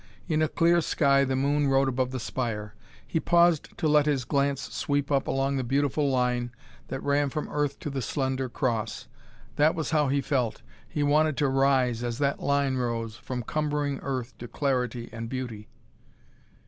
In a clear sky the moon rode above the spire. He paused to let his glance sweep up along the beautiful line that ran from earth to the slender cross. That was how he felt. He wanted to rise, as that line rose, from cumbering earth to clarity and beauty.